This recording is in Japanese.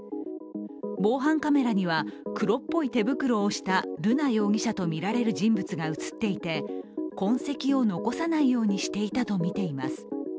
防犯カメラには黒っぽい手袋をした瑠奈容疑者と見られる人物が映っていたということで痕跡を残さないようにしていたとみています。